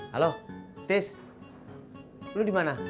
halo tis lu dimana